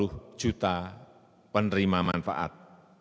sudah dua puluh juta penerima manfaat